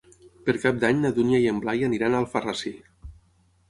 Per Cap d'Any na Dúnia i en Blai aniran a Alfarrasí.